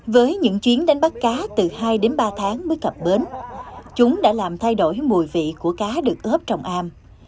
với những chuyến đánh bắt cá từ hai đến ba tháng mới cập bến chúng đã làm thay đổi mùi vị của cá được ướp trong am